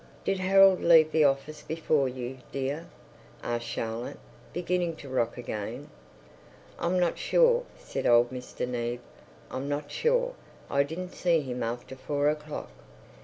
"Did Harold leave the office before you, dear?" asked Charlotte, beginning to rock again. "I'm not sure," said Old Mr. Neave. "I'm not sure. I didn't see him after four o'clock."